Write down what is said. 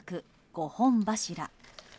５本柱。